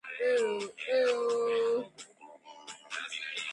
ერთი კაცი ცხრილით ხელში მდინარისა პირას იჯდა